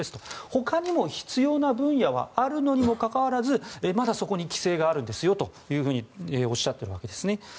他にも必要な分野はあるにもかかわらずまだそこに規制があるんですよとおっしゃっているわけですね。